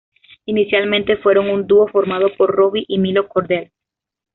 Inicialmente fueron un dúo, formado por Robbie y Milo Cordell.